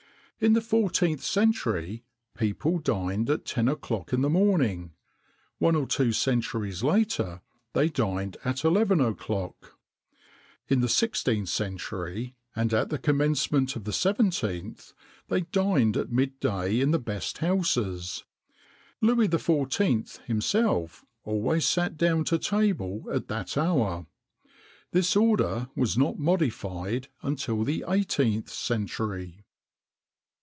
In the 14th century, people dined at ten o'clock in the morning.[XXIX 65] One or two centuries later, they dined at eleven o'clock. In the 16th century, and at the commencement of the 17th, they dined at mid day in the best houses. Louis XIV., himself, always sat down to table at that hour.[XXIX 66] This order was not modified until the 18th century.